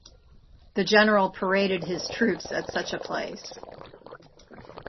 The general paraded his troops at such a place.